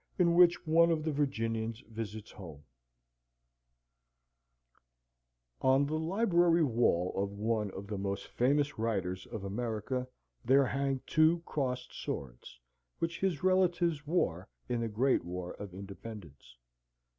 In which one of the Virginians visits home On the library wall of one of the most famous writers of America, there hang two crossed swords, which his relatives wore in the great War of Independence.